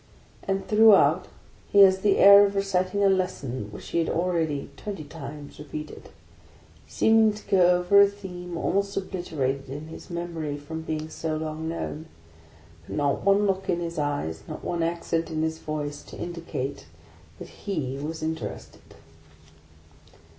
And throughout he had the air of reciting a lesson which he had already twenty times repeated ; seeming to go over a theme almost obliterated in his memory from being so long known; but not one look in his eyes, not one accent in his voice, to indicate that he was interested!